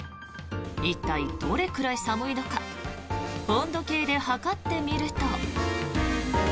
一体どれくらい寒いのか温度計で測ってみると。